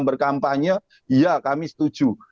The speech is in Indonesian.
berkampanye ya kami setuju